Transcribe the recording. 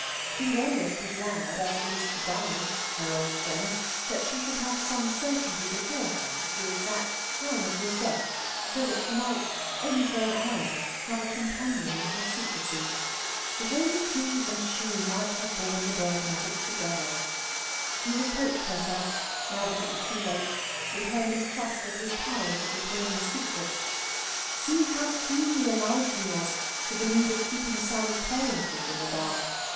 She would almost be glad, as he is to die her old friend that she should have some certainty beforehand of the exact time of his death, so that she might, only for an hour a companion in her secrecy. If only he and she might have borne the burden of it together! She reproached herself, now that it was too late, with her mistrust of his powers of retaining a secret. See how keenly alive he was to the need of keeping Sally's parentage in the dark!